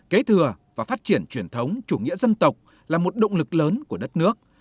kế thừa và phát triển truyền thống chủ nghĩa dân tộc là một động lực lớn của đất nước